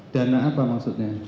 dana apa maksudnya